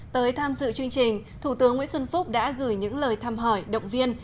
tới tham dự chương trình thủ tướng nguyễn xuân phúc đã gửi những lời thăm hỏi động viên